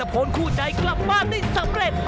ให้ตะโพนคู่ใดกลับบ้านได้สำเร็จ